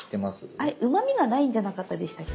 あれうまみがないんじゃなかったでしたっけ？